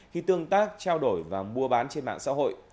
khi tương tác trao đổi và mua bán trên mạng xã hội